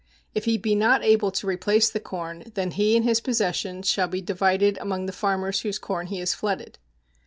If he be not able to replace the corn, then he and his possessions shall be divided among the farmers whose corn he has flooded.